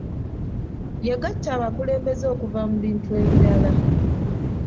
Yagatta abakulembeze okuva mu bitundu ebirala.